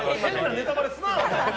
ネタバレすな！